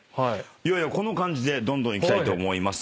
この感じでどんどんいきたいと思います。